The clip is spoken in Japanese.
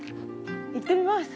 行ってみます。